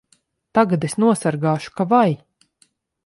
Tagad es nosargāšu ka vai!